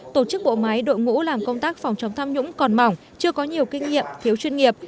tổ chức bộ máy đội ngũ làm công tác phòng chống tham nhũng còn mỏng chưa có nhiều kinh nghiệm thiếu chuyên nghiệp